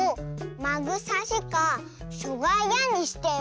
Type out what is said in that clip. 「まぐさし」か「しょがや」にしてよ。